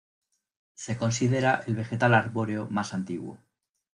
Se considera el vegetal arbóreo más antiguo.